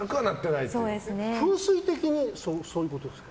風水的にそういうことですか？